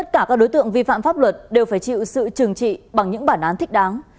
tất cả các đối tượng vi phạm pháp luật đều phải chịu sự trừng trị bằng những bản án thích đáng